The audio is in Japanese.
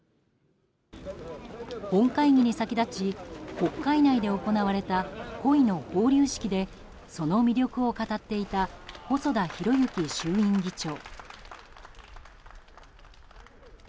本会議に先立ち国会内で行われた鯉の放流式でその魅力を語っていた細田博之衆院議長。